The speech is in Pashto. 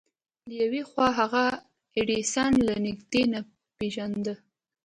له يوې خوا هغه ايډېسن له نږدې نه پېژانده.